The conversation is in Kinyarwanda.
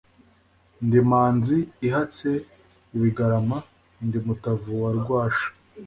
Ndi Manzi ihatse ibigarama. Ndi Mutamu wa Rwasha,